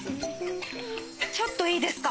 ちょっといいですか？